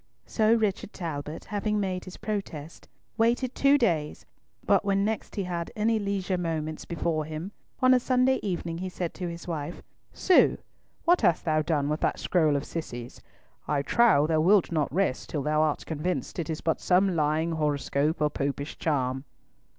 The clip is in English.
So Richard Talbot, having made his protest, waited two days, but when next he had any leisure moments before him, on a Sunday evening, he said to his wife, "Sue, what hast thou done with that scroll of Cissy's? I trow thou wilt not rest till thou art convinced it is but some lying horoscope or Popish charm."